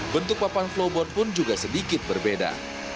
bentuk papan flowboard pun juga sedikit berbeda